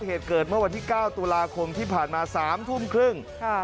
เหตุเกิดเมื่อวันที่๙ตุราคมที่ผ่านมา๓๓๐น